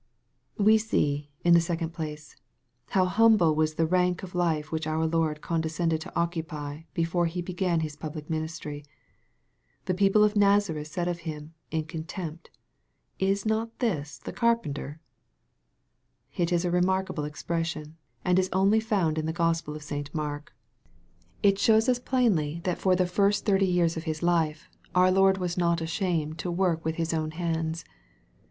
We see, in the second place, how humble was the Tank of life which our Lord condescended to occupy before He be yan His public ministry. The people of Nazareth said of Him, in contempt, " Is not this the carpenter ?" This is a remarkable expression, and is only found in the Gospel of St. Mark. It shows us plainly 1 hat for the MARK, CHAP. VI. 109 first thirty years of His life, our Lord was not ashamed to work with His own hands.